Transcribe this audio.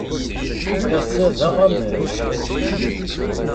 Ass-a d aɣamac.